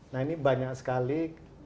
nah ini banyak sekali